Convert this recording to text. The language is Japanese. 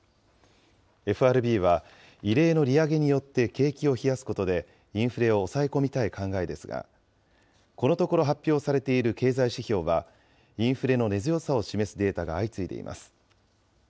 ＦＲＢは、異例の利上げによって景気を冷やすことで、インフレを抑え込みたい考えですが、このところ発表されている経済指標は、インフレの根強さを示すデータが相次いでいます。